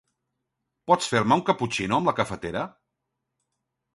Pots fer-me un caputxino amb la cafetera?